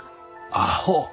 アホ。